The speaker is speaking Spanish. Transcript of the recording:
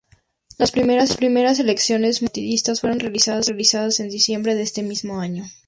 Las primeras elecciones multipartidistas fueron realizadas en diciembre de ese mismo año.